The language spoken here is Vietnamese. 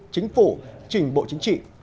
chính phủ trình bộ chính trị